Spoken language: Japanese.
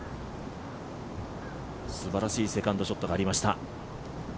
すばらしいセカンドショットがありました。